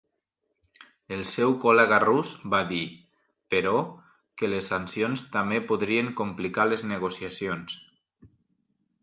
El seu col·lega rus va dir, però, que les sancions també podrien complicar les negociacions.